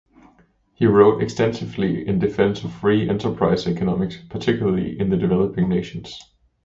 He wrote extensively in defense of free enterprise economics, particularly in developing nations.